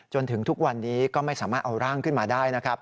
จนถึงทุกวันนี้ก็ไม่สามารถเอาร่างขึ้นมาได้นะครับ